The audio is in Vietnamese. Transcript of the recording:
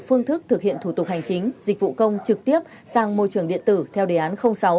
phương thức thực hiện thủ tục hành chính dịch vụ công trực tiếp sang môi trường điện tử theo đề án sáu